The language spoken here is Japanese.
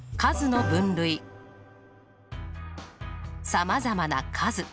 さまざまな数。